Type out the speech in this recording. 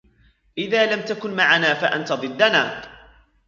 إذا لم تكن معنا فأنت ضدنا.